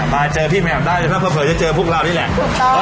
มาเจอพี่แหม่มได้ถ้าเผลอจะเจอพวกเรานี่แหละ